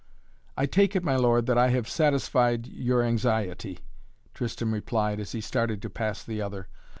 "I take it, my lord, that I have satisfied your anxiety," Tristan replied, as he started to pass the other.